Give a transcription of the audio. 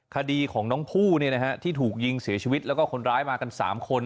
คดีของน้องผู้ที่ถูกยิงเสียชีวิตแล้วก็คนร้ายมากัน๓คน